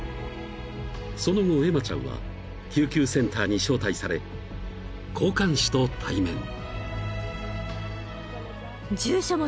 ［その後エマちゃんは救急センターに招待され交換手と対面］